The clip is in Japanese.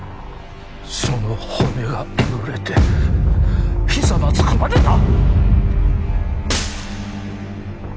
その骨がえぐれてひざまずくまでな！